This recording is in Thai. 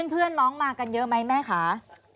เพื่อนน้องมากันเยอะไหมแม่คะ